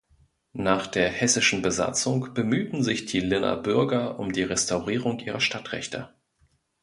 Nach der hessischen Besatzung bemühten sich die Linner Bürger um die Restaurierung ihrer Stadtrechte.